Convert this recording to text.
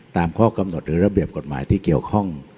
ตามข้อกำหนดหรือระเบียบกฎหมายที่เกี่ยวข้อง